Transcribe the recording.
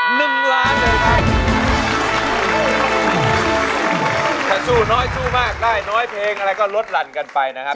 ถ้าสู้น้อยสู้มากได้น้อยเพลงอะไรก็ลดหลั่นกันไปนะครับ